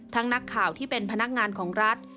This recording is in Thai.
นักข่าวที่เป็นพนักงานของรัฐ